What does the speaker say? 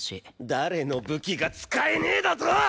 誰の武器が使えねえだと！？